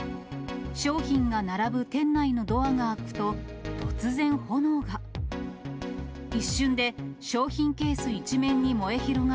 商品が並ぶ店内のドアが開くと、突然、炎が。